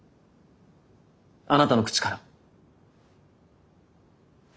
あなたの口から。